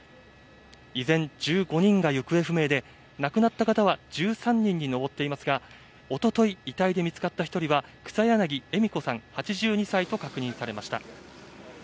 依然、１５人が行方不明で、亡くなった方は１３人に上っていますが、おととい、遺体で見つかった１人は、草柳笑子さん８２歳と確認されました。